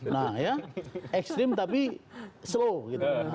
nah ya ekstrim tapi slow gitu